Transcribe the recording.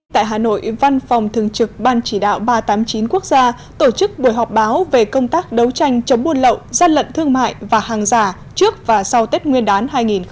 tại hà nội văn phòng thường trực ban chỉ đạo ba trăm tám mươi chín quốc gia tổ chức buổi họp báo về công tác đấu tranh chống buôn lậu gian lận thương mại và hàng giả trước và sau tết nguyên đán hai nghìn hai mươi